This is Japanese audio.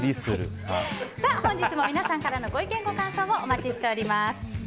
本日も皆さんからのご意見ご感想をお待ちしております。